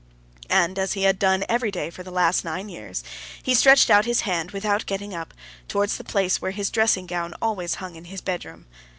And, as he had done every day for the last nine years, he stretched out his hand, without getting up, towards the place where his dressing gown always hung in his bedroom.